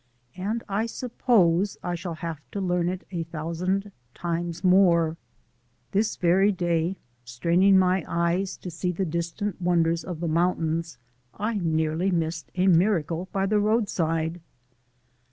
and I suppose I shall have to learn it a thousand times more. This very day, straining my eyes to see the distant wonders of the mountains, I nearly missed a miracle by the roadside.